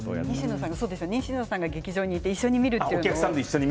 西野さんが劇場に行って一緒に見るというものですね